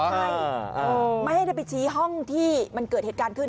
ใช่ไม่ให้ได้ไปชี้ห้องที่มันเกิดเหตุการณ์ขึ้น